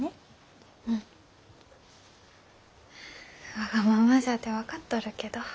わがままじゃて分かっとるけど。